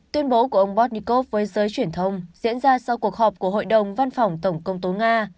tuyên bố của ông bornnikov với giới truyền thông diễn ra sau cuộc họp của hội đồng văn phòng tổng công tố nga